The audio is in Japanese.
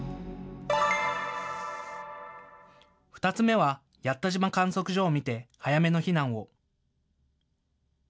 ２つ目は八斗島観測所を見て早めの避難を。